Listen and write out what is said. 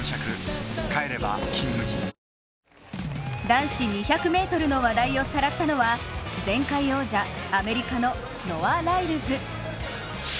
男子２００ｍの話題をさらったのは、前回王者・アメリカのノア・ライルズ。